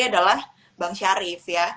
adalah bang syarif ya